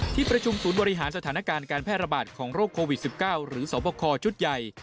ที่ประชุมศูนย์บริหารสถานการณ์การแพร่ระบาดของโรคโควิด๑๙หรือสวบคอชุดใหญ่